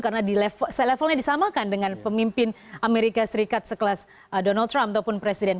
karena levelnya disamakan dengan pemimpin amerika serikat sekelas donald trump ataupun presiden